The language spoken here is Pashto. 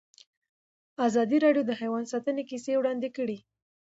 ازادي راډیو د حیوان ساتنه کیسې وړاندې کړي.